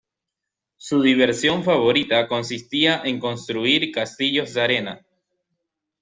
Su diversión favorita consistía en construir castillos de arena.